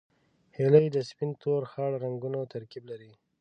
هیلۍ د سپین، تور، خړ رنګونو ترکیب لري